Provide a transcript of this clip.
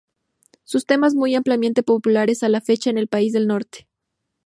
Sus temas son ampliamente populares a la fecha en el país del norte.